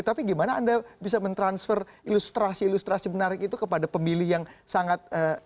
tapi gimana anda bisa mentransfer ilustrasi ilustrasi menarik itu kepada pemilih yang sangat